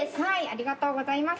ありがとうございます。